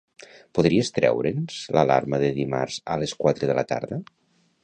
Podries treure'ns l'alarma de dimarts a les quatre de la tarda?